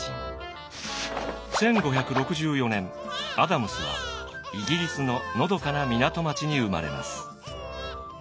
１５６４年アダムスはイギリスののどかな港町に生まれます。